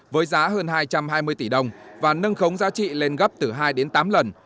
với giá hơn hai trăm hai mươi tỷ đồng và nâng khống giá trị lên gấp từ hai đến tám lần